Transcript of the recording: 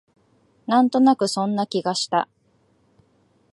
なんとなくそんな気がした